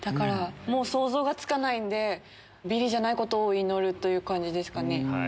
もう想像がつかないんでビリじゃないことを祈る感じです。